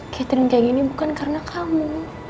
catering kayak gini bukan karena kamu